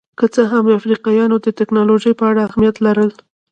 که څه هم افریقایانو د ټکنالوژۍ په اړه معلومات لرل.